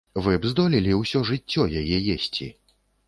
Вы б здолелі ўсё жыццё яе есці?